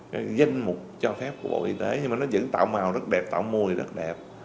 cái danh mục cho phép của bộ y tế nhưng mà nó vẫn tạo màu rất đẹp tạo mùi rất đẹp